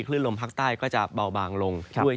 คลื่นลมภาคใต้ก็จะเบาบางลงด้วยเช่นเดียวกัน